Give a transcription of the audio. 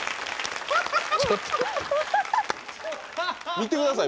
見てください。